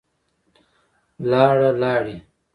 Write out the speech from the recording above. لاړه, لاړې